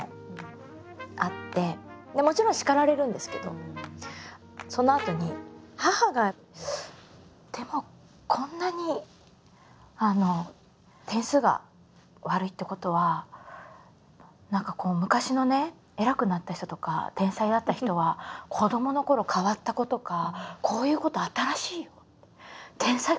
もちろん叱られるんですけどそのあとに母が「でもこんなに点数が悪いってことは何か昔のね偉くなった人とか天才だった人は子どものころ変わった子とかこういうことあったらしい」と。